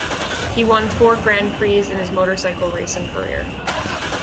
He won four Grands Prix in his motorcycle racing career.